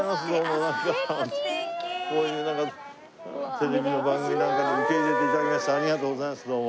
テレビの番組なんか受け入れて頂きましてありがとうございますどうも。